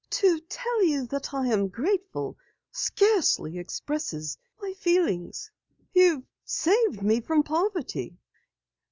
To tell you that I am grateful scarcely expresses my feelings. You've saved me from poverty."